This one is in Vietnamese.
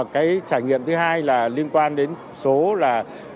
cái trải nghiệm thứ hai là liên quan đến số là